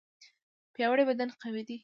پیاوړی بدن قوي دی.